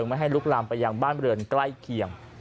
ไม่ให้ลุกลำไปอย่างบ้านเหลื่องใกล้เกียว